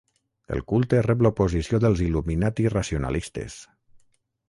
El culte rep l"oposició dels illuminati racionalistes.